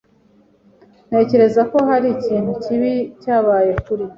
Ntekereza ko hari ikintu kibi cyabaye kuri